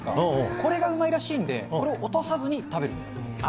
これがうまいらしいんで、これを落とさずに食べる。